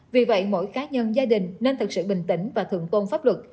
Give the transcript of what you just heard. vì vậy mỗi cá nhân gia đình nên thật sự bình tĩnh và thượng tôn pháp luật